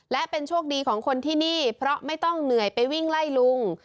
และเป็นโชคดีของคนที่นี่เพราะไม่ต้องเหนื่อยไปวิ่งไล่ลุง